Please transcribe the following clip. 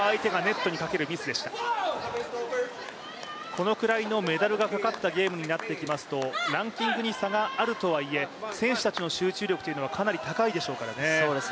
このくらいのメダルがかかったゲームになってきますと、ランキングに差があるとはいえ選手たちの集中力はかなり高いでしょうからね。